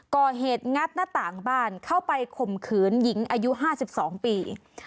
งัดหน้าต่างบ้านเข้าไปข่มขืนหญิงอายุ๕๒ปี